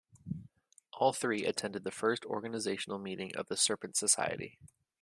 All three attended the first organizational meeting of the Serpent Society.